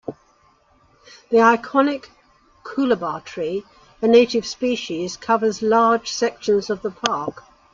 The iconic coolabah tree, a native species, covers large sections of the park.